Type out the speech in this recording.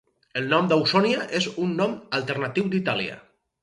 El nom d'Ausònia és un nom alternatiu d'Itàlia.